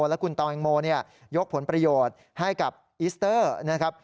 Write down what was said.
และคุณตองโมยกผลประโยชน์ให้กับอิสเตอร์นะครับ